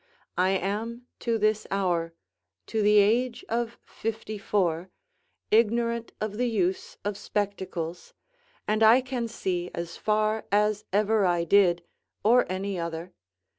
I am to this hour to the age of fifty four Ignorant of the use of spectacles; and I can see as far as ever I did, or any other.